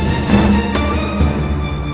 jangan lupa joko tingkir